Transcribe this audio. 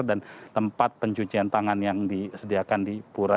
dan tempat pencucian tangan yang disediakan di pura